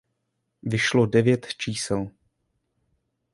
Vyšlo devět čísel.